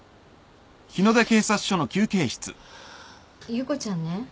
優子ちゃんね